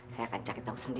saya akan cari tahu sendiri